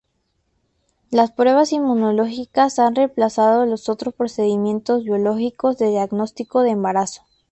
Las pruebas inmunológicas han remplazado a los otros procedimientos biológicos de diagnóstico de embarazo.